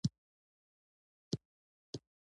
د هغو پراختیا له کورنۍ څخه پیل کیږي.